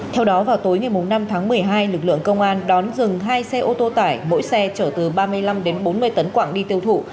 theo đó vào tối ngày năm tháng một mươi hai lực lượng công an đón dừng hai xe ô tô tải mỗi xe chở từ ba mươi năm đến bốn mươi tấn quạng đi tiêu thụ